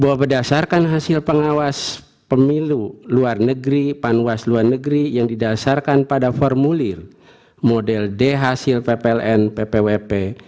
bahwa berdasarkan hasil pengawas pemilu luar negeri panwas luar negeri yang didasarkan pada formulir model d hasil ppln ppwp